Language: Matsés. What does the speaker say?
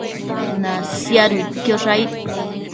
Nasiaduidquiosh aid